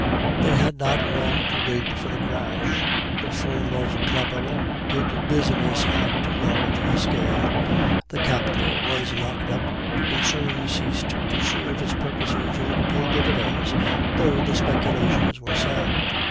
"They had not long to wait for the crash. The firm of Claparon did business on too large a scale, the capital was locked up, the concern ceased to serve its purposes, or to pay dividends, though the speculations were sound.